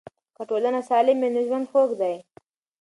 که ټولنه سالمه وي نو ژوند خوږ دی.